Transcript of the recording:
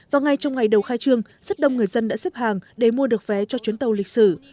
và ngay trong ngày đầu khai trương rất đông người dân đã xếp hàng để mua được vé cho chuyến tàu lịch sử